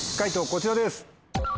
こちらです。